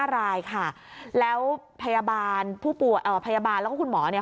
๕รายค่ะแล้วพยาบาลผู้ป่วยเอ่อพยาบาลแล้วก็คุณหมอเนี่ย